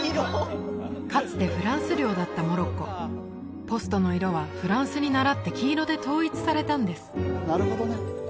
かつてフランス領だったモロッコポストの色はフランスに倣って黄色で統一されたんです